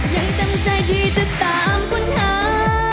ยังจำใจที่จะตามค้นหา